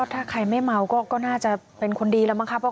ถ้าใครไม่เมาก็น่าจะเป็นคนดีแล้วมั้งครับ